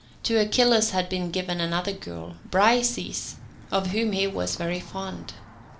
To Achilles had been given another girl, Briseis, of whom he was very fond.